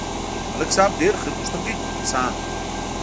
ملک صاحب ډېر خیرغوښتونکی انسان دی